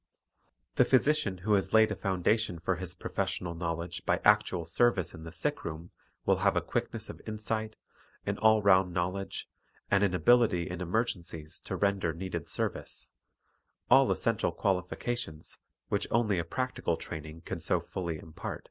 The physician who has laid a foundation for his pro fessional knowledge by actual service in the sick room will have a quickness of insight, an all round knowl edge, and an ability in emergencies to render needed service, — all essential qualifications, which only a prac tical training can so fully impart.